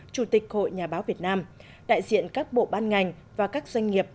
chủ tịch hội nhà báo việt nam đại diện các bộ ban ngành và các doanh nghiệp